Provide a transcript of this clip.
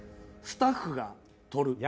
スタッフが取る。